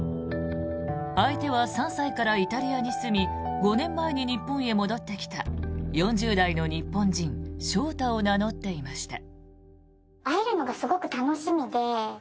相手は３歳からイタリアに住み５年前に日本へ戻ってきた４０代の日本人翔太を名乗っていました。